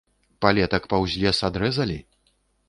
Палетак паўз лес адрэзалі?